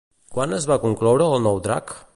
Quan es va concloure el nou drac?